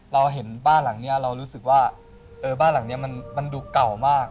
เราเห็นบ้านหลังนี้เรารู้สึกว่าบ้านหลังนี้มันดูเก่ามาก